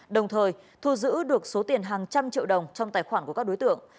đồng thời thu giữ được số tiền hàng trăm triệu đồng trong tài khoản của các đối tượng